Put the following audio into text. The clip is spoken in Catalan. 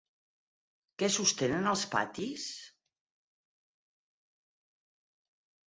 Què sostenen els patis?